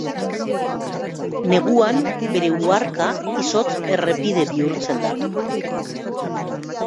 Neguan bere uharka izotz-errepide bihurtzen da.